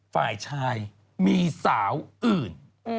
ฝ่ายชายมีสาวอื่น